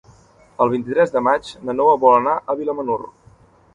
El vint-i-tres de maig na Noa vol anar a Vilamalur.